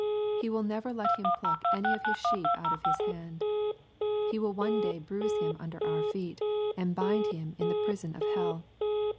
He will never let him pluck any of His sheep out of His hand. He will one day bruise him under our feet, and bind him in the prison of hell.